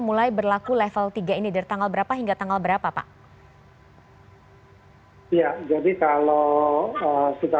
mulai berlaku level tiga ini dari tanggal berapa hingga tanggal berapa pak ya jadi kalau sudah